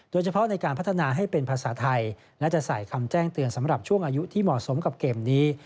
โดยเฉพาะในการพัฒนาให้เป็นภาษาไทยและจะใส่คำแจ้งเตือนสำหรับช่วงอายุที่เหมาะสมกับเกมนี้